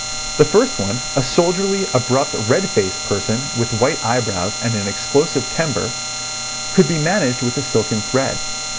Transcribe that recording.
The first one, a soldierly, abrupt, red faced person, with white eyebrows and an explosive temper, could be managed with a silken thread.